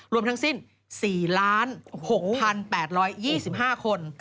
รวมทั้งสิ้น๔๖๘๒๕คน